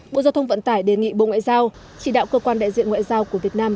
bộ giao thông vận tải đề nghị bộ ngoại giao chỉ đạo cơ quan đại diện ngoại giao của việt nam